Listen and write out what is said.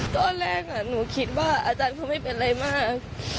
ตอนแรกหนูคิดว่าอาจารย์เขาไม่เป็นอะไรมาก